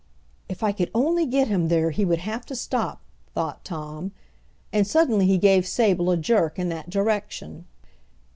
"If I could only get him there he would have to stop," thought Tom, and suddenly he gave Sable a jerk in that direction.